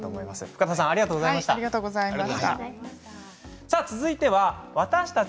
深田さんありがとうございました。